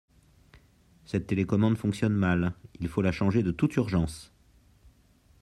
Cette télécommande fonctionne mal, il faut la changer de toute urgence.